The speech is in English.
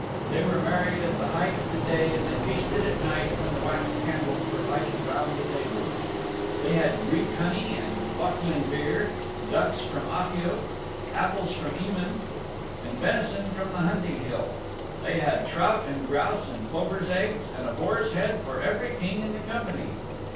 They were married at the height of the day and they feasted at night when the wax candles were lighted round the tables. They had Greek honey and Lochlinn beer; ducks from Achill, apples from Emain and venison from the Hunting Hill; they had trout and grouse and plovers' eggs and a boar's head for every King in the company.